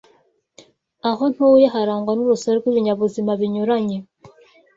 Aho ntuye harangwa n’urusobe rw’ibinyabuzima binyuranye